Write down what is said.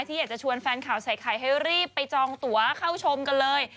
อยากจะชวนแฟนข่าวใส่ไข่ให้รีบไปจองตัวเข้าชมกันเลย